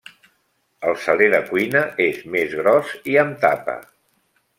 El saler de cuina és més gros i amb tapa.